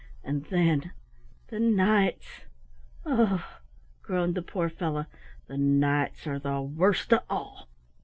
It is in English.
And then the nights! Oh" groaned the poor fellow "the nights are the worst of all!"